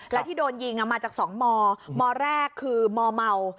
แล้วที่โดนยิงอ่ะมาจากสองมอมอแรกคือมอเมา